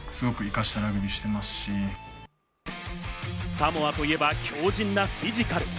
サモアといえば強靭なフィジカル。